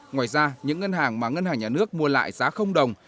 ngoài ra những ngân hàng mà ngân hàng nhà nước mua lại giá đồng